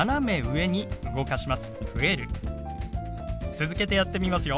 続けてやってみますよ。